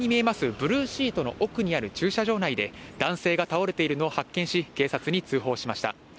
ブルーシートの奥にある駐車場内で男性が倒れているのを発見し、警察に通報しました。